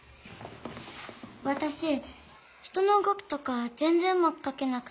わたし人のうごきとかぜんぜんうまくかけなくて。